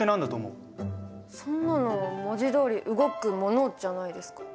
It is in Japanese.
そんなの文字どおり動くものじゃないですか？